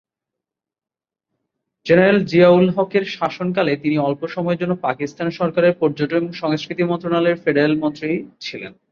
General Zia ul হকের শাসন কালে তিনি অল্প সময়ের জন্য পাকিস্তান সরকারের পর্যটন ও সংস্কৃতি মন্ত্রণালয়ের ফেডারেল মন্ত্রী ছিলেন।